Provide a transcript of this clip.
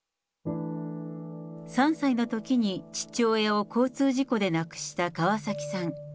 ３歳のときに父親を交通事故で亡くした川崎さん。